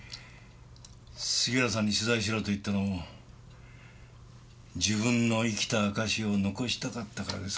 杉浦さんに取材しろと言ったのも自分の生きた証しを残したかったからですかねぇ。